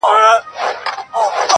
او که نه وي نو حتما به کیمیاګر یې!.